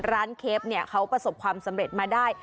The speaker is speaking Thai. ร้านเคล็ปเขาประสบความสำเร็จมาได้